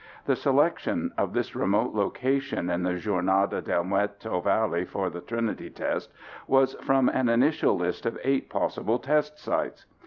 The selection of this remote location in the Jornada del Muerto Valley for the Trinity test was from an initial list of eight possible test sites.